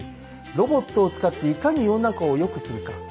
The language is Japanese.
ロボットを使っていかに世の中を良くするか。